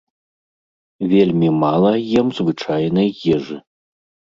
Вельмі мала ем звычайнай ежы.